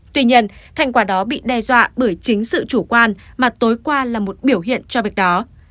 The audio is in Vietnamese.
tuy nhiên thành quả đó bị đe dọa bởi chính sự chủ quan mà tối qua là một biểu hiện cho việc đó